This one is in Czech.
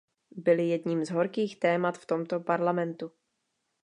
Byly jedním z horkých témat v tomto Parlamentu.